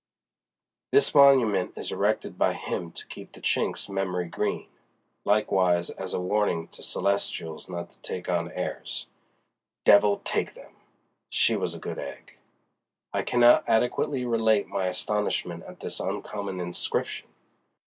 This monument is erected by him to keep the Chink's memory green. Likewise as a warning to Celestials not to take on airs. Devil take 'em! She Was a Good Egg. I cannot adequately relate my astonishment at this uncommon inscription!